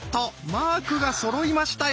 マークがそろいましたよ！